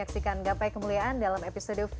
untuk mendengar maklumat kalian bisa mel cocm ajo